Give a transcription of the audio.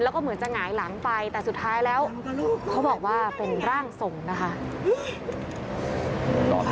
แล้วก็เหมือนจะหงายหลังไปแต่สุดท้ายแล้วเขาบอกว่าเป็นร่างทรงนะคะ